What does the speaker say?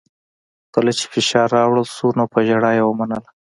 کله چې فشار راوړل شو نو په ژړا یې ومنله